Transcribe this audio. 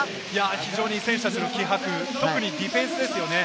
非常に選手たちの気迫、特にディフェンスですよね。